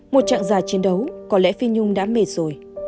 một trạng già chiến đấu có lẽ phi nhung đã mệt rồi